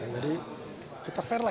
jadi kita fair lah